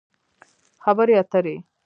خبرې اترې